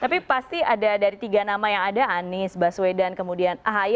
tapi pasti ada dari tiga nama yang ada anies baswedan kemudian ahy